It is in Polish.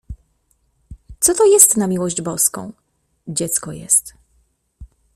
— Co to jest, na miłość boską? — Dziecko jest.